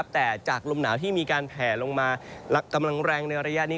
แต่จากลมหนาวที่มีการแผลลงมากำลังแรงในระยะนี้